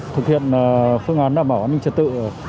thực hiện phương án đảm bảo an ninh trật tự